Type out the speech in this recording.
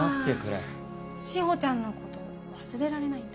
ああ志保ちゃんのこと忘れられないんだ。